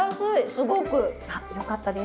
すごく。あっよかったです。